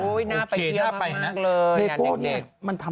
คุณผู้ชมค้างานดีแบบนี้อย่าลืมมาเที่ยวกันเยอะนะคะ